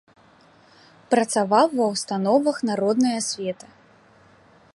Працаваў ва ўстановах народнай асветы.